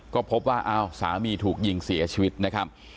ก็พบว่าอ้าวสามีถูกยิงเสียชีวิตนะครับ